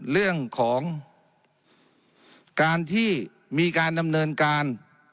เรื่องของการที่มีการดำเนินการ